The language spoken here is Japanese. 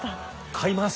買います！